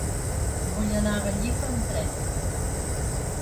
Vull anar a Gallifa amb tren.